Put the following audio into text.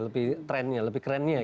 lebih trendnya lebih kerennya